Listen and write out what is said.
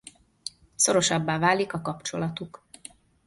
Szorosabbá válik a kapcsolatuk.